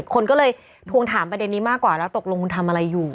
คนก็เลยทวงถามประเด็นนี้มากกว่าแล้วตกลงคุณทำอะไรอยู่